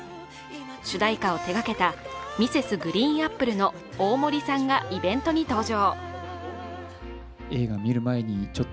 主題歌を手がけたＭｒｓ．ＧＲＥＥＮＡＰＰＬＥの大森さんがイベントに登場。